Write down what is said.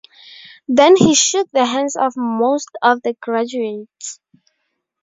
And he shook the hands of most of the graduates.